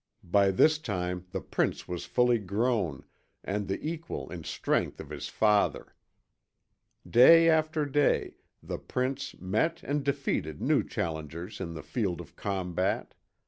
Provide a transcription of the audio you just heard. By this time the prince was fully grown and the equal in strength of his father. Day after day, the prince met and defeated new challengers in the field of combat.